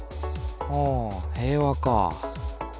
ああ平和かあ。